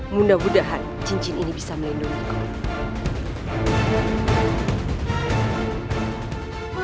mudah mudahan cincin ini bisa melindungi kau